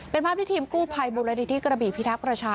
เป็นภาพที่ทีมกู้ไพบุรณิที่กระบีพิทัพรชา